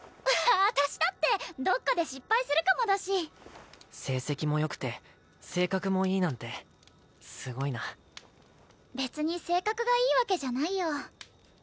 私だってどっかで失敗するかもだし成績もよくて性格もいいなんてすごいな別に性格がいいわけじゃないよ